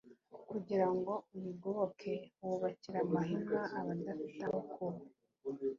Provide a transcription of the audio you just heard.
kugira ngo uyigoboke wubakira amahema abadafite aho baba